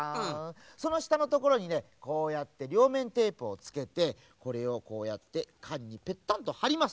そのしたのところにねこうやってりょうめんテープをつけてこれをこうやってかんにペッタンとはります。